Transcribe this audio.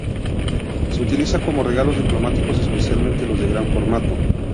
Se utilizaban como regalos diplomáticos, especialmente los de gran formato.